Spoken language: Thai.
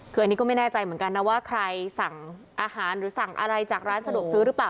คืออันนี้ก็ไม่แน่ใจเหมือนกันนะว่าใครสั่งอาหารหรือสั่งอะไรจากร้านสะดวกซื้อหรือเปล่า